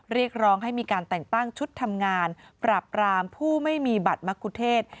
เรียกร้องให้มีการแต่งตั้งชุดทำงานปราบรามผู้ไม่มีบัตรมะคุเทศ